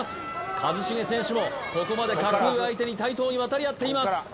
一茂選手もここまで格上相手に対等に渡り合っています